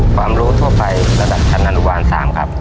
ความรู้ทั่วไประดับชั้นอนุบาล๓ครับ